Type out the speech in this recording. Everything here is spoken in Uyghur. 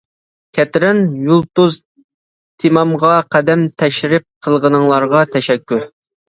كەترەن، يۇلتۇز. تېمامغا قەدەم تەشرىپ قىلغىنىڭلارغا تەشەككۈر.